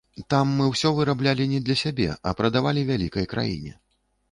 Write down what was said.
Там мы ўсё выраблялі не для сябе, а прадавалі вялікай краіне.